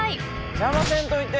邪魔せんといて！